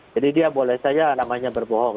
jadi dia boleh saja namanya berbohong